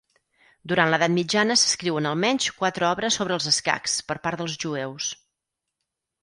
Durant l'edat mitjana s'escriuen almenys quatre obres sobre els escacs, per part dels jueus.